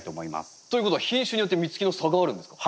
ということは品種によって実つきの差があるんですか？